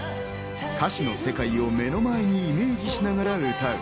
歌詞の世界を目の前にイメージしながら歌う。